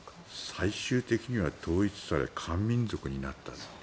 最終的には統一され、漢民族になった。